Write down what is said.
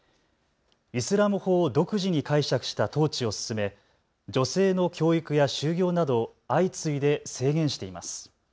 イスラム法を独自に解釈した統治を進め女性の教育や就業などを相次いで制限しています。